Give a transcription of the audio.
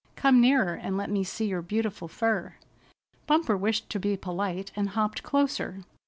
"Come nearer and let me see your beautiful fur." Bumper wished to be polite and hopped closer.